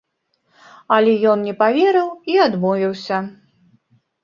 Але ён не паверыў і адмовіўся.